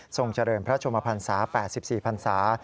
ทรงเฉลิมพระชมพันศา๘๔พันศา